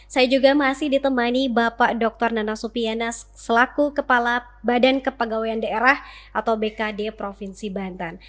saya juga masih ditemani bapak dr nana supiana selaku kepala badan kepegawaian daerah atau bkd provinsi banten